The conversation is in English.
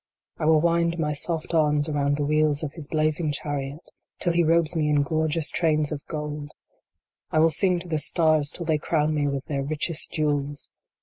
I will wind my soft arms around the wheels of his blazing chariot, till he robes me in gorgeous trains of gold ! 3 IN VAIN. 31 I will sing to the stars till they crown me with their richest jewels